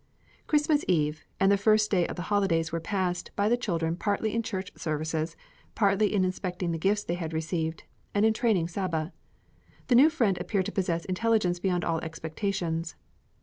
Christmas Eve and the first day of the holidays were passed by the children partly in church services, partly in inspecting the gifts they had received, and in training Saba. The new friend appeared to possess intelligence beyond all expectations.